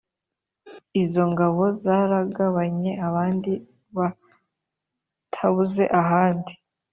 Izo ngabo Zaragabanye abandi Batabuze ahandi!